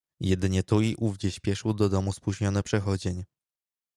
"Jedynie tu i ówdzie śpieszył do domu spóźniony przechodzień."